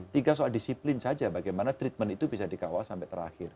tiga soal disiplin saja bagaimana treatment itu bisa dikawal sampai terakhir